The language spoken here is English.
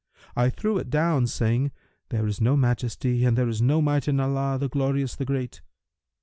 I threw it down, saying, 'There is no Majesty and there is no Might in Allah, the Glorious, the Great!'